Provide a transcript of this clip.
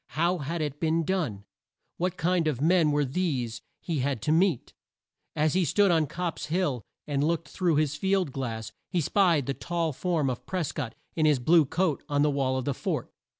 How had it been done? What kind of men were these he had to meet? As he stood on Copp's Hill and looked through his field glass, he spied the tall form of Pres cott, in his blue coat, on the wall of the fort.